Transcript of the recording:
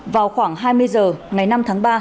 vào khoảng hai mươi h ngày năm tháng ba